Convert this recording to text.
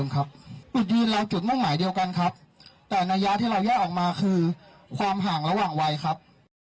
คือความห่างระหว่างวัยครับ